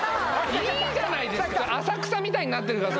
いいじゃないですか浅草みたいになってるからさ